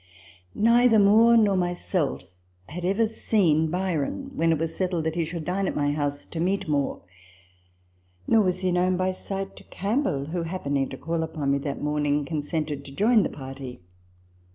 Neither Moore nor myself had ever seen Byron when it was settled that he should dine at my house to meet Moore ; nor was he known by sight to Campbell, who, happening to call upon me that morning, consented to join the party.